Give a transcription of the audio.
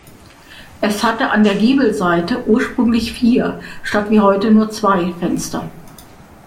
Es hatte an der Giebelseite ursprünglich vier statt wie heute nur zwei Fenster.